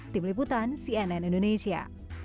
tim liputan cnn indonesia